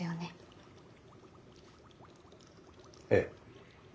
ええ。